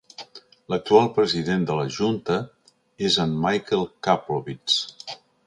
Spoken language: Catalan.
L'actual president de la junta és en Michael Kaplowitz.